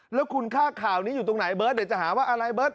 แล้วคุณค่าข่าวนี้อยู่ตรงไหนเบิร์ตเดี๋ยวจะหาว่าอะไรเบิร์ต